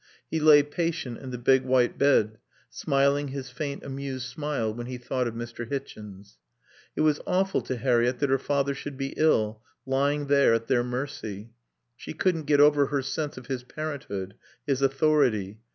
He lay, patient, in the big white bed, smiling his faint, amused smile when he thought of Mr. Hichens. It was awful to Harriett that her father should be ill, lying there at their mercy. She couldn't get over her sense of his parenthood, his authority.